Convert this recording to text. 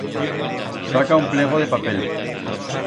Saca un plego de papel.